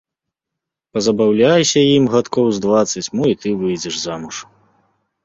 Пазабаўляйся ім гадкоў з дваццаць, мо і ты выйдзеш замуж.